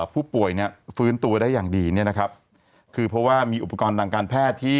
ผู้ป่วยเนี่ยฟื้นตัวได้อย่างดีเนี่ยนะครับคือเพราะว่ามีอุปกรณ์ทางการแพทย์ที่